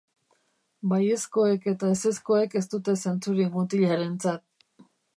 Baiezkoek eta ezezkoek ez dute zentzurik mutilarentzat.